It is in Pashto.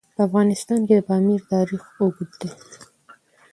په افغانستان کې د پامیر تاریخ اوږد دی.